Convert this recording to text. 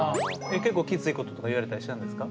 結構きついこととか言われたりしたんですか？